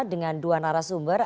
dengan dua narasumber